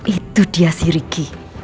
itu dia si ricky